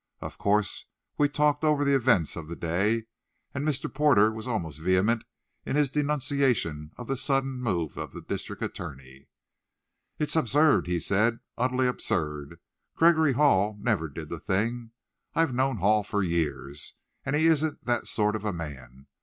Of course, we talked over the events of the day, and Mr. Porter was almost vehement in his denunciation of the sudden move of the district attorney. "It's absurd," he said, "utterly absurd. Gregory Hall never did the thing. I've known Hall for years, and he isn't that sort of a man.